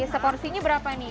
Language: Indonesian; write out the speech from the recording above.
seporsinya berapa nih